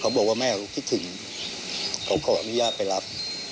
บอกว่าแม่เขาคิดถึงเขาขออนุญาตไปรับ